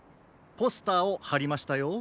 ポスターをはりましたよ。